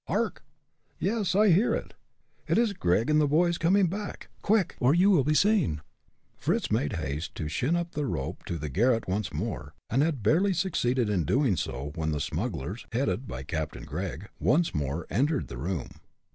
"Hark!" "Yes! I hear it. It is Gregg and the boys coming back. Quick! or you will be seen!" Fritz made haste to shin up the rope to the garret once more, and had barely succeeded in so doing when the smugglers, headed by Captain Gregg, once more entered the room.